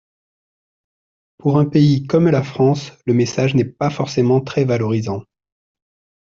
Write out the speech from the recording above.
Pour un pays comme la France, le message n’est pas forcément très valorisant.